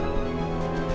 ciikilnya gendara ini